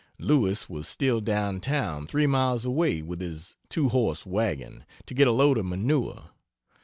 Lewis was still down town, three miles away, with his two horse wagon, to get a load of manure.